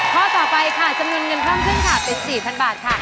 ข้อต่อไปค่ะจำนวนเงินเพิ่มขึ้นค่ะเป็น๔๐๐บาทค่ะ